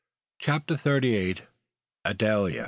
CHAPTER THIRTY EIGHT. ADELE.